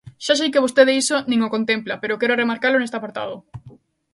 Xa sei que vostede iso nin o contempla, pero quero remarcalo neste apartado.